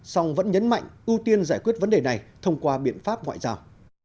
song vẫn nhấn mạnh ưu tiên giải quyết vấn đề này thông qua biện pháp ngoại giao